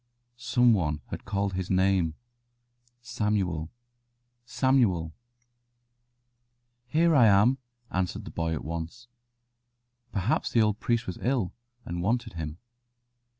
Some one had called his name: "Samuel, Samuel." "Here am I," answered the boy at once. Perhaps the old priest was ill, and wanted him.